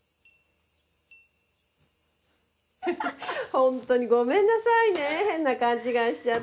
ホントにごめんなさいね変な勘違いしちゃって。